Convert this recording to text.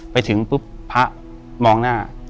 ไปถึงปุ๊บพระมองหน้า